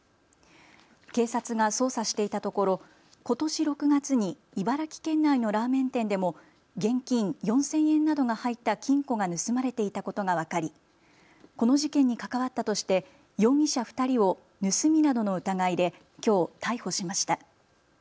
警察が捜査していたところことし６月に茨城県内のラーメン店でも現金４０００円などが入った金庫が盗まれていたことが分かりこの事件に関わったとして容疑者２人を盗みなどの疑いできょう逮捕しました。